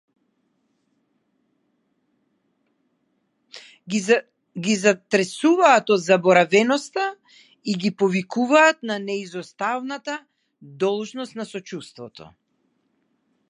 Ги затресуваат од заборавеноста и ги повикуваат на неизоставната должност на сочувството.